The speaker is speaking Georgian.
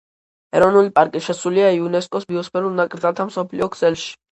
ეროვნული პარკი შესულია იუნესკოს ბიოსფერულ ნაკრძალთა მსოფლიო ქსელში.